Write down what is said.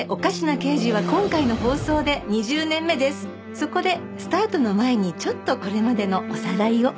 そこでスタートの前にちょっとこれまでのおさらいを